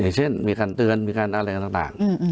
อย่างเช่นมีการเตือนมีการอะไรต่างต่างอืมอืม